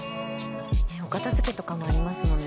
お片付けとかもありますもんね